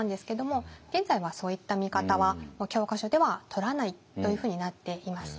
現在はそういった見方はもう教科書ではとらないというふうになっています。